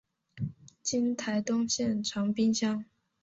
今台东县长滨乡。